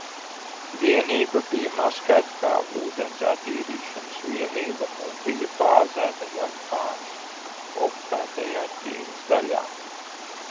Vienība bija maskēta kā ūdens attīrīšanas vienība un bija bāzēta Japānas okupētajā Ķīnas daļā.